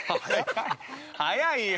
◆早いよ。